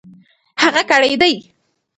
هغه کړېدی .